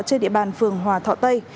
trên địa bàn phường hòa thọ tây